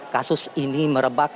kasus ini merebak